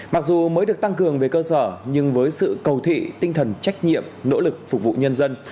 mặc dù mới được tăng cường về cơ sở nhưng với sự cầu thị tinh thần trách nhiệm nỗ lực phục vụ nhân dân